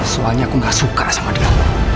soalnya aku gak suka sama dia